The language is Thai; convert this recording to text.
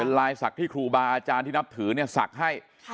ลายศักดิ์ที่ครูบาอาจารย์ที่นับถือศักดิ์ให้